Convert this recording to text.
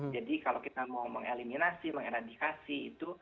jadi kalau kita mau mengeliminasi mengeradikasi itu